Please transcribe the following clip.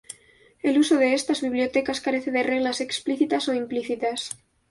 El uso de estas bibliotecas carece de reglas explícitas o implícitas.